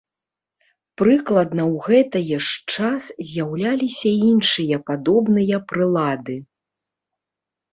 Прыкладна ў гэтае ж час з'яўляліся іншыя падобныя прылады.